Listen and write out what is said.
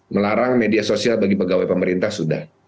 melarang media sosial bagi pegawai pemerintah sudah